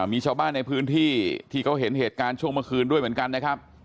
มีชาวบ้านในพื้นที่ที่เขาเห็นเหตุการณ์ช่วงเมื่อคืนด้วยเหมือนกันนะครับ